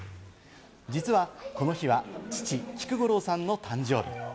実はこの日は父・菊五郎さんの誕生日。